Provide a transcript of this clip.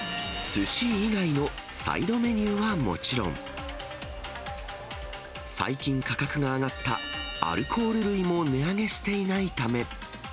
すし以外のサイドメニューはもちろん、最近、価格が上がったアルコール類も値上げしていないため。